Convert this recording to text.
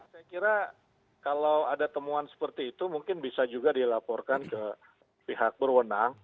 saya kira kalau ada temuan seperti itu mungkin bisa juga dilaporkan ke pihak berwenang